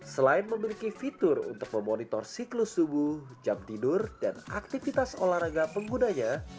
selain memiliki fitur untuk memonitor siklus subuh jam tidur dan aktivitas olahraga penggunanya